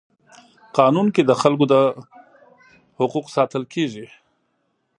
قانون کي د خلکو حقوق ساتل کيږي.